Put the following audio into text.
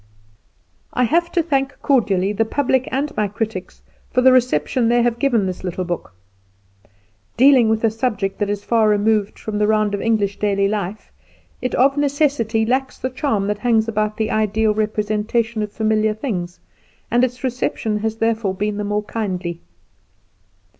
I have to thank cordially the public and my critics for the reception they have given this little book. Dealing with a subject that is far removed from the round of English daily life, it of necessity lacks the charm that hangs about the ideal representation of familiar things, and its reception has therefore been the more kindly.